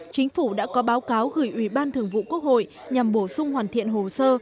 chính phủ đã có báo cáo gửi ủy ban thường vụ quốc hội nhằm bổ sung hoàn thiện hồ sơ